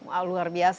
wah luar biasa